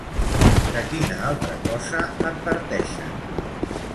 De quina altra cosa adverteixen?